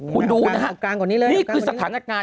คุณดูนะฮะนี่คือสถานการณ์